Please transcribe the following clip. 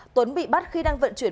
tuấn bị bắt khi đang vận chuyển